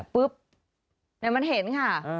ปุ๊บมันเห็นค่ะ